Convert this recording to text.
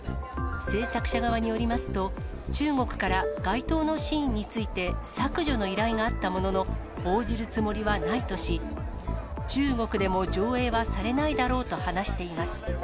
製作者側によりますと、中国から該当のシーンについて、削除の依頼があったものの、応じるつもりはないとし、中国でも上映はされないだろうと話しています。